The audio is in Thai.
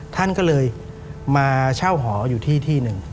ท่านก็เลยมาเช่าหออยู่ที่ที่หนึ่ง